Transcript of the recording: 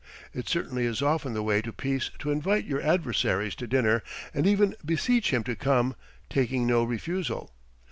It certainly is often the way to peace to invite your adversary to dinner and even beseech him to come, taking no refusal.